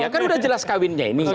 kan sudah jelas kawinnya ini